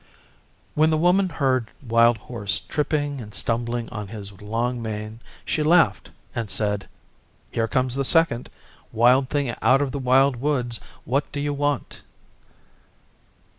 When the Woman heard Wild Horse tripping and stumbling on his long mane, she laughed and said, 'Here comes the second. Wild Thing out of the Wild Woods what do you want?